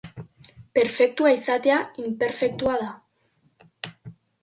Perfektua izatea inperfektua da.